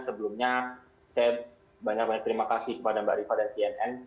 sebelumnya saya banyak banyak terimakasih kepada mbak ariefa dan cnn